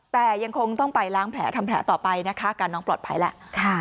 แต่ยังคงต้องไปล้างแผลทำแผลต่อไปนะคะอาการน้องปลอดภัยแล้ว